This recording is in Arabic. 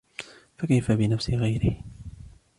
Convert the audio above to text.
فَكَيْفَ بِنَفْسِ غَيْرِهِ